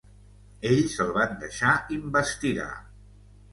Ells el van deixar investigar.